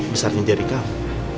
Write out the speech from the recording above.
bahkan besarnya jari kamu